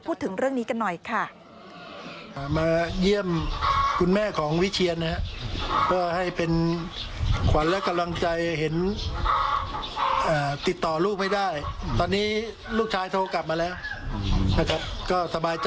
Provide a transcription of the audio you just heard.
พูดถึงเรื่องนี้กันหน่อยค่ะ